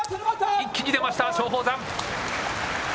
一気に出ました、松鳳山。